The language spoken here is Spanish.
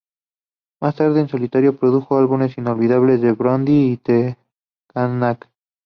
Más tarde, en solitario produjo álbumes innovadores de Blondie y The Knack.